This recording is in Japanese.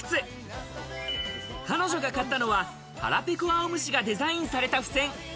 彼女が買ったのははらぺこあおむしがデザインされた付箋。